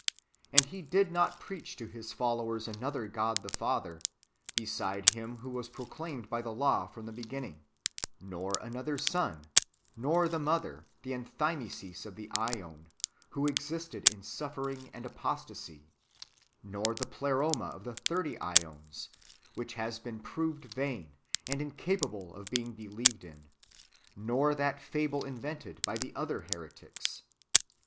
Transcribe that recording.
And He did not preach to His followers another God the Father, besides Him who was proclaimed by the law from the beginning ; nor another Son; nor the Mother, the enthymesis of the ^on, who existed in suffering and apostasy ; nor the Pleroma of the thirty ^ons, which has been proved vain, and incapable of being believed in ; nor that fable invented by the other heretics.